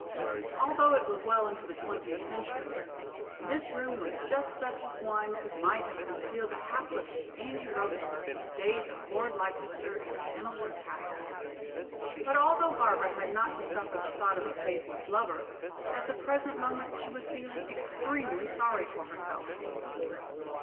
Although it was well into the twentieth century, this room was just such an one as might have concealed the hapless Amy Robsart in the days of Lord Leicester and Kenilworth Castle. But although Barbara had not to suffer the thought of a faithless lover, at the present moment she was feeling extremely sorry for herself.